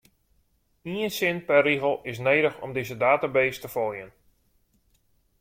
Ien sin per rigel is nedich om dizze database te foljen.